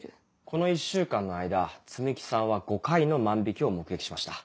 この１週間の間摘木さんは５回の万引を目撃しました。